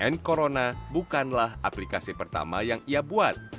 n corona bukanlah aplikasi pertama yang ia buat